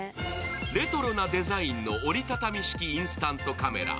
レトロなデザインの折り畳み式インスタントカメラ。